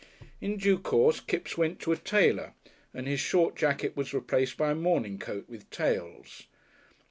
In due course Kipps went to a tailor, and his short jacket was replaced by a morning coat with tails.